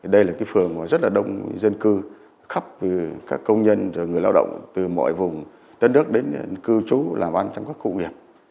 đây là cái phường mà rất là đông dân cư khắp các công nhân và người lao động từ mọi vùng tân đất đến cư trú làm ăn trong các khu nghiệp